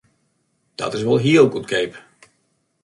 Dat is wol hiel goedkeap!